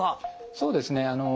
そうですね